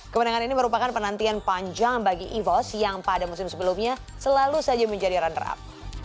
kemenangan ini merupakan penantian panjang bagi evos yang pada musim sebelumnya selalu saja menjadi runner up